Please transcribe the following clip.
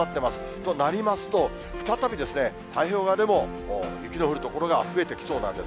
となりますと、再び太平洋側でも雪の降る所が増えてきそうなんです。